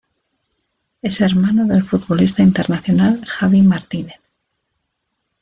Es hermano del futbolista internacional Javi Martínez.